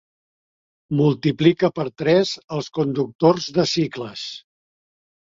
Multiplica per tres els conductors de cicles.